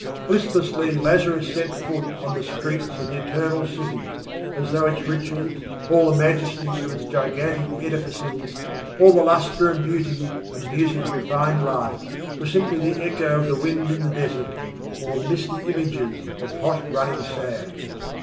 Listlessly Lazarus set foot on the streets of the Eternal City, as though all its riches, all the majesty of its gigantic edifices, all the lustre and beauty and music of refined life, were simply the echo of the wind in the desert, or the misty images of hot running sand.